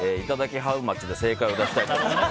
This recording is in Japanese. ハウマッチで正解を出したいと思います。